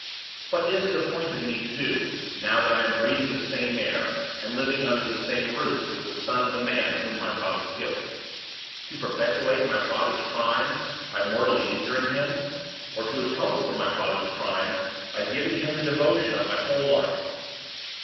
What is it appointed me to do, now that I am breathing the same air, and living under the same roof with the son of the man whom my father killed to perpetuate my father's crime by mortally injuring him, or to atone for my father's crime by giving him the devotion of my whole life?